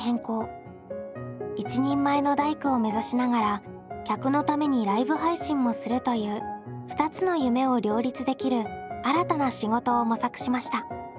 一人前の大工を目指しながら客のためにライブ配信もするという２つの夢を両立できる新たな仕事を模索しました。